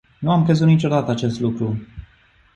Nu am crezut niciodată acest lucru!